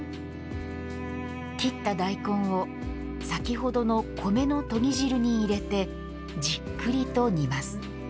切った大根を先ほどの米のとぎ汁に入れてじっくりと煮ます。